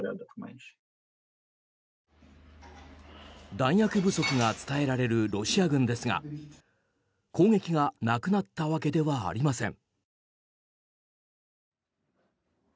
弾薬不足が伝えられるロシア軍ですが攻撃がなくなったわけではありません。